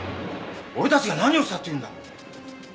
俺たちが何をしたっていうんだ。